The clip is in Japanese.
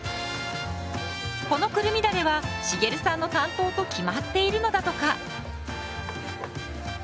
このくるみだれは茂さんの担当と決まっているのだとか。